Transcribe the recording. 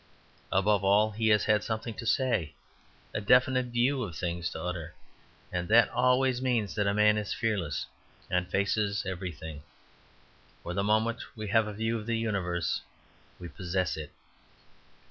Above all, he has had something to say, a definite view of things to utter, and that always means that a man is fearless and faces everything. For the moment we have a view of the universe, we possess it.